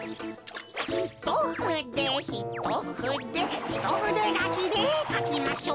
ひとふでひとふでひとふでがきでかきましょう。